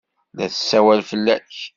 La tessawal fell-ak.